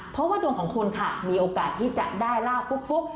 เพราะว่าดวงของคุณค่ะมีโอกาสที่จะได้ลาบฟุก